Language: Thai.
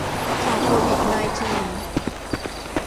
ข่าวโควิดไนน์ทีน